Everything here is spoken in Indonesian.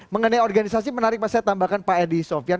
mengenai organisasi menarik pak saya tambahkan pak edi sofian